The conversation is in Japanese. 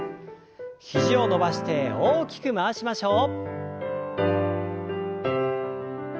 肘を伸ばして大きく回しましょう。